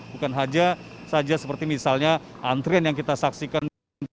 bukan saja seperti misalnya antrian yang kita saksikan